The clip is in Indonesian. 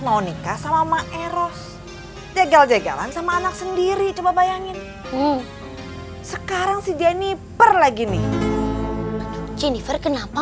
monica sama maeros jegel jegelan sama anak sendiri coba bayangin sekarang si jenipr lagi nih kenapa